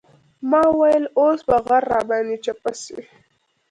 ما ويل اوس به غر راباندې چپه سي.